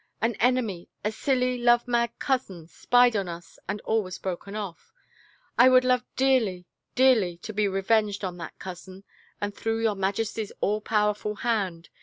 An enemy, a silly, love mad cousin, spied on us and all was broken off. I would love dearly, dearly, to be revenged on that cousin — and through your Maj esty's all powerful hand!